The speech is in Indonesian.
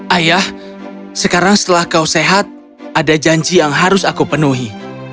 ayah sekarang setelah kau sehat ada janji yang harus aku penuhi